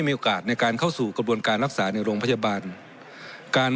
มีโอกาสในการเข้าสู่กระบวนการรักษาในโรงพยาบาลการ